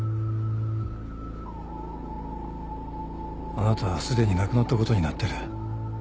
あなたはすでに亡くなったことになってる。